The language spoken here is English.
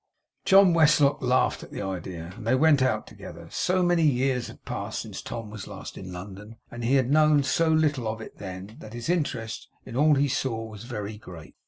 John Westlock laughed at the idea, and they went out together. So many years had passed since Tom was last in London, and he had known so little of it then, that his interest in all he saw was very great.